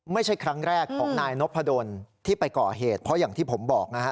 ไม่ใช่ครั้งแรกของนายนพดลที่ไปก่อเหตุเพราะอย่างที่ผมบอกนะฮะ